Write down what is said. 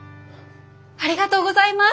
ありがとうございます！